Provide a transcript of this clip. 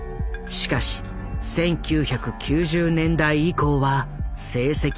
しかし１９９０年代以降は成績が低迷。